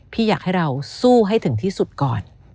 พี่อยากให้เราสู้ให้ถึงที่สุดก่อน